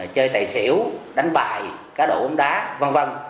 chơi tài xỉu đánh bại cá đổ bóng đá v v